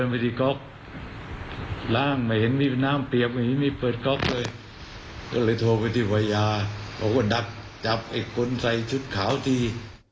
บอกว่าที่ไวยาพวกเราดักจับคนใส่ชุดขาวที่